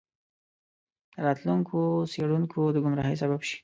د راتلونکو څیړونکو د ګمراهۍ سبب شي.